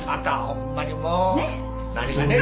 何が「ねえ？」